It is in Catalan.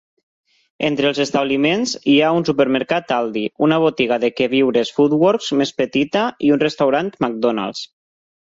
Entre els establiments hi ha un supermercat Aldi, una botiga de queviures Foodworks més petita i un restaurant McDonald's.